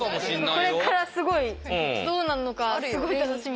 これからすごいどうなるのかすごい楽しみ。